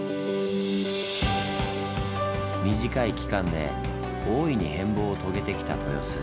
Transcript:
短い期間で大いに変貌を遂げてきた豊洲。